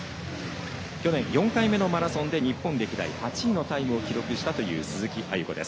去年４回目のマラソンで日本歴代８位のタイムを記録した鈴木亜由子。